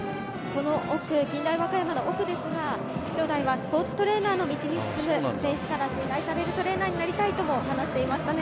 奥、近大和歌山の奥ですが、将来はスポーツトレーナーの道に進みたいと、選手から信頼されるトレーナーになりたいと話していました。